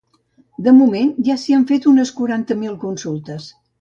De moment, ja s’hi han fet unes quaranta mil consultes.